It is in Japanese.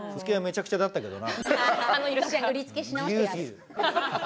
振り付けはめちゃくちゃだったけどな。